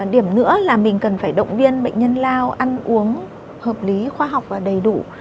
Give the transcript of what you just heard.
điểm nữa là mình cần phải động viên bệnh nhân lao ăn uống hợp lý khoa học và đầy đủ